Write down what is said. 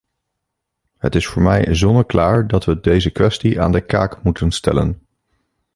Het is voor mij zonneklaar dat we deze kwestie aan de kaak moeten stellen.